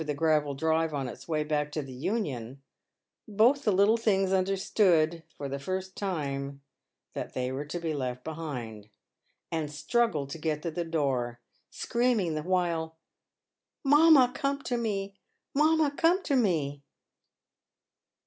45 the gravel drive on its way back to the Union, both the little things understood for the first time that they were to be left behind, and struggled to get to the door, screaming the while, " Mamma, come to me ! Mamma, come to me